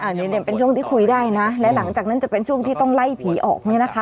อันนี้เป็นช่วงที่คุยได้นะและหลังจากนั้นจะเป็นช่วงที่ต้องไล่ผีออกเนี่ยนะคะ